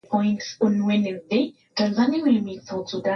ya Kiswahili Wafuasi hawa wa dini waligawanyika